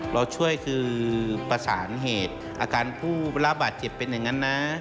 เราช่วยคือประสานเหตุอาการผู้รับบาดเจ็บเป็นอย่างนั้นนะ